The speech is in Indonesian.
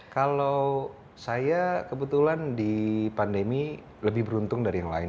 kalau saya kebetulan di pandemi lebih beruntung dari yang lain